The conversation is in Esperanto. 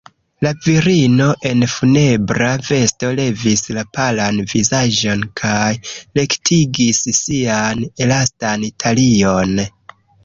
La virino en funebra vesto levis la palan vizaĝon kaj rektigis sian elastan talion.